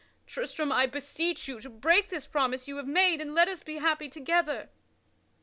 Tristram, I beseech you to break this promise you have made and let us be happy together."